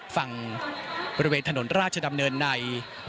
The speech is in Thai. ฝั่งบริเวณถนนราชดำเนินใน